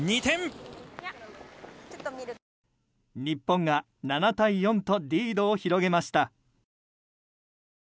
日本が７対４とリードを広げました。